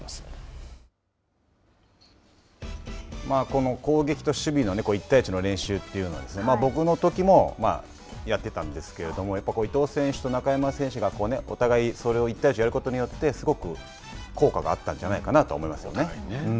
この攻撃と守備の１対１の練習というのは、僕のときもやってたんですけれども、やっぱり伊東選手と中山選手がお互い、それを１対１でやることによって、すごく効果があったんじゃないかなとは思いますよね。